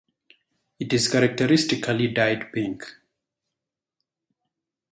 It is characteristically dyed pink.